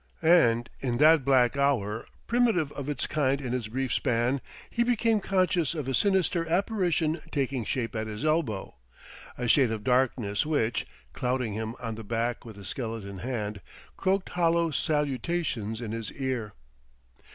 And in that black hour, primitive of its kind in his brief span, he became conscious of a sinister apparition taking shape at his elbow a shade of darkness which, clouting him on the back with a skeleton hand, croaked hollow salutations in his ear.